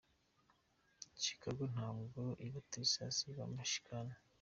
chicago ntabwo iba texas iba michigan.